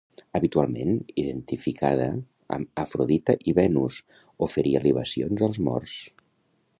Habitualment identificada amb Afrodita i Venus, oferia libacions als morts.